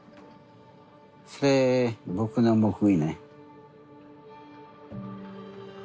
それ僕の報いね。